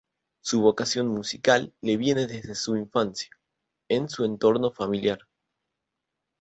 Su vocación musical le viene desde su infancia, en su entorno familiar.